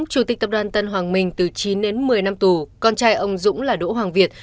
chủ tịch tập đoàn tân hoàng minh từ chín đến một mươi năm tù con trai ông dũng là đỗ hoàng việt